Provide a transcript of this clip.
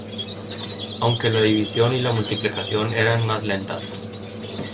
Aunque la división y la multiplicación eran más lentas.